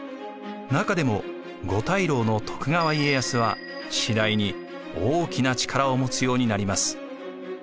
中でも五大老の徳川家康は次第に大きな力を持つようになります。